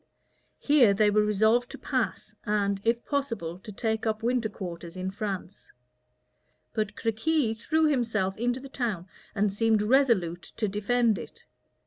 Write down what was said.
Here they were resolved to pass, and, if possible, to take up winter quarters in France; but Crequi threw himself into the town and seemed resolute to defend it.